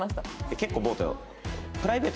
結構ボート。